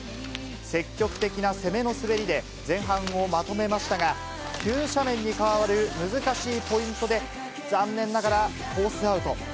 積極的な攻めの滑りで、前半をまとめましたが、急斜面に変わる難しいポイントで、残念ながらコースアウト。